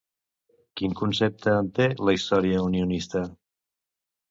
Quin concepte en té la història unionista?